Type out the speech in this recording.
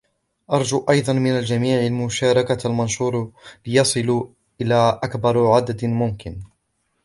أرجو ايضا من الجميع مشاركة المنشور ليصل الى أكبر عدد ممكن.